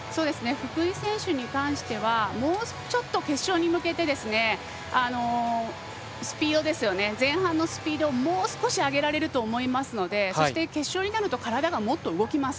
福井選手に関してはもうちょっと決勝に向けて前半のスピードをもう少し上げられると思いますのでそして決勝になると体がもっと動きます。